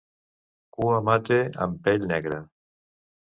Cua mate amb pell negra.